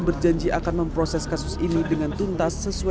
berjanji akan memproses kasus ini dengan tuntas sesuai